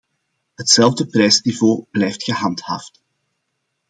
Hetzelfde prijsniveau blijft gehandhaafd.